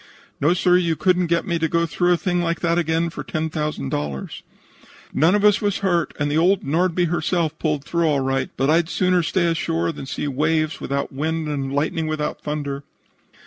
"No, sir; you couldn't get me through a thing like that again for $10,000. None of us was hurt, and the old Nordby herself pulled through all right, but I'd sooner stay ashore than see waves without wind and lightning without thunder."